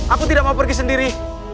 aku tidak mau pergi sendiri